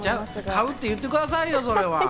買うって言ってくださいよ、それは。